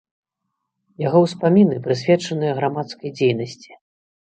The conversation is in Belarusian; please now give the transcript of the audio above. Яго ўспаміны прысвечаныя грамадскай дзейнасці.